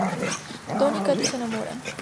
Don y Kathy se enamoran.